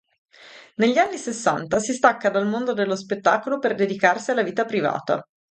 Negli anni sessanta si stacca dal mondo dello spettacolo per dedicarsi alla vita privata.